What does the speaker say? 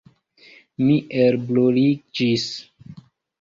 Mi elbruliĝis.